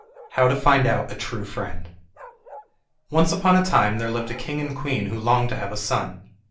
How To Find Out A True Friend Once upon a time there lived a king and queen who longed to have a son.